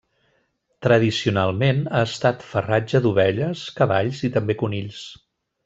Tradicionalment ha estat farratge d'ovelles, cavalls i també conills.